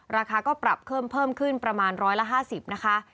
ราคาก็ปรับเพิ่มขึ้นประมาณ๑๕๐นะคะ